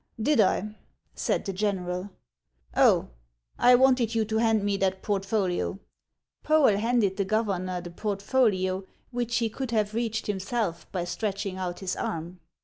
" Did I ?" said the general. " Oh, I wanted you to hand me that portfolio." Poel handed the governor the portfolio, which he could have reached himself by stretching out his arm.